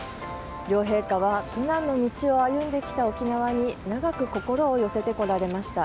両陛下は苦難の道を歩んできた沖縄に長く心を寄せてこられました。